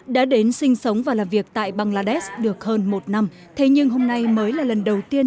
đã đến sinh sống và làm việc tại bangladesh được hơn một năm thế nhưng hôm nay mới là lần đầu tiên